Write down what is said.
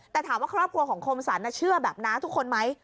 แต่ถามว่าครอบครัวของคมสรรเชื่อแบบน้าทุกคนไหม